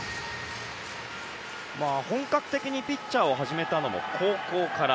本格的にピッチャーを始めたのも高校から。